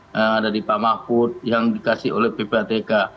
yang ada di pak mahfud yang dikasih oleh ppatk